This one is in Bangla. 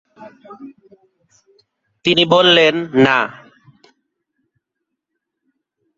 তিনি বললেন, "না!"